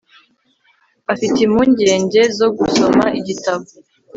afite impungenge zo gusoma igitabo